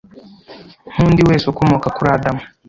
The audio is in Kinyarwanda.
Nk'undi wese ukomoka kuri Adamu,